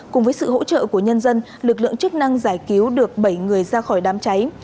cùng với sự hỗ trợ của nhân dân lực lượng chức năng giải cứu được bảy người ra khỏi đám cháy